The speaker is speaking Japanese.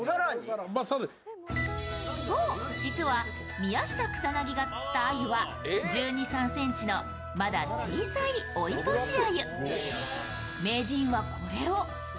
宮下草薙が釣った鮎は１２１３ｃｍのまだ小さい追い星鮎。